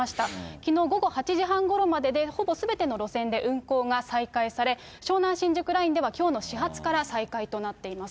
きのう午後８時半ごろまででほぼすべての路線で運行が再開され、湘南新宿ラインではきょうの始発から再開となっています。